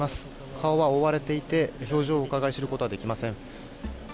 顔は覆われていて表情をうかがい知ることはできません。